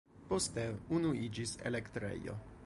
Poste unu iĝis elektrejo.